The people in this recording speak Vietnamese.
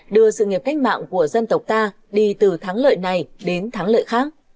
đưa sự nghiệp cách mạng của dân tộc ta đi từ thắng lợi này đến thắng lợi khác